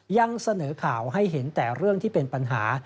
ยังเสนอข่าวให้เห็นแต่เรื่องที่เป็นปัญหา